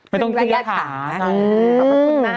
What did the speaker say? ไม่ต้องเครียดขา